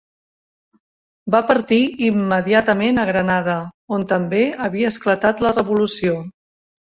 Va partir immediatament a Granada, on també havia esclatat la revolució.